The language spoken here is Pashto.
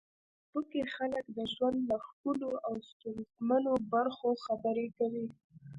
په فېسبوک کې خلک د ژوند له ښکلو او ستونزمنو برخو خبرې کوي